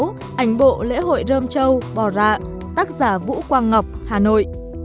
tác phẩm số sáu ảnh bộ lễ hội rơm trâu bò rạ tác giả vũ quang ngọc hà nội